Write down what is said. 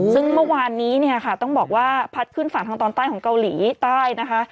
ซึ่งเมื่อกว่านี้ต้องบอกว่าพัดขึ้นฝั่งทางตอนใต้ของเกาหลีใต้